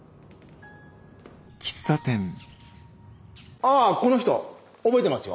ああこの人覚えてますよ。